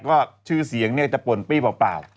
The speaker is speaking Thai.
ก็ชื่อเสียงเนี่ยจะป่นปี้เปล่า